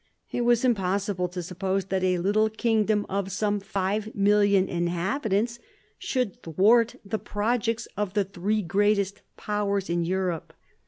It was impossible to suppose that a little kingdom of some 5,000,000 inhabitants should thwart the projects of the three greatest Powers in Europe.